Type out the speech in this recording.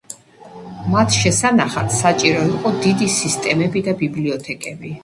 მათ შესანახად საჭირო იყო დიდი სისტემები და ბიბლიოთეკები.